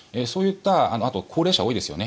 あと高齢者が多いですよね。